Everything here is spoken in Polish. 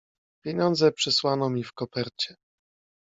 "Pieniądze przysłano mi w kopercie."